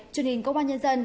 truyền hình công an nhân dân